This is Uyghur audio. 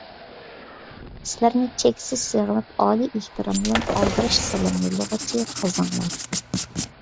سىلەرنى چەكسىز سېغىنىپ، ئالىي ئېھتىرام بىلەن ئالدىراش سالام يوللىغۇچى: قىزىڭلار.